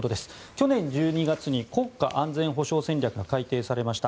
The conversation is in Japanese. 去年１２月に国家安全保障戦略が改定されました。